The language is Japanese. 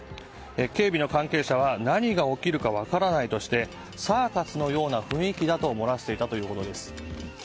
警備の関係者は何が起きるか分からないとしてサーカスのような雰囲気だと漏らしていたということです。